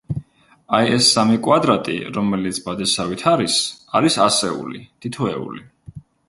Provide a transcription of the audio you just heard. აი, ეს სამი კვადრატი, რომელიც ბადესავით არის, არის ასეული, თითოეული.